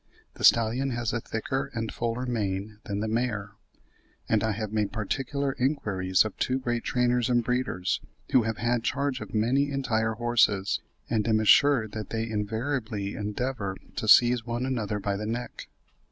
The stallion has a thicker and fuller mane than the mare; and I have made particular inquiries of two great trainers and breeders, who have had charge of many entire horses, and am assured that they "invariably endeavour to seize one another by the neck."